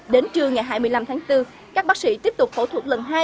đến trưa ngày hai mươi năm tháng bốn các bác sĩ tiếp tục phẫu thuật lần hai